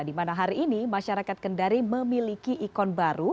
di mana hari ini masyarakat kendari memiliki ikon baru